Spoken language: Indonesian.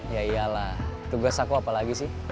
yah iyalah tugas aku apa lagi sih